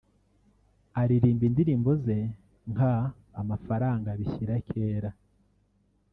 aririmba indirimbo ze nka “Amafaranga” bishyira kera